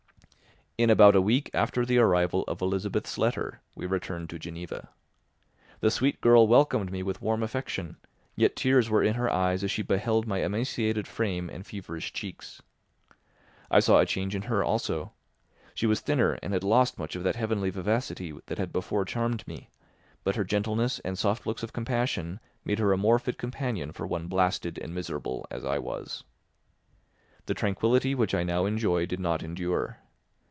In about a week after the arrival of Elizabeth's letter we returned to Geneva. The sweet girl welcomed me with warm affection, yet tears were in her eyes as she beheld my emaciated frame and feverish cheeks. I saw a change in her also. She was thinner and had lost much of that heavenly vivacity that had before charmed me; but her gentleness and soft looks of compassion made her a more fit companion for one blasted and miserable as I was. The tranquillity which I now enjoyed did not endure.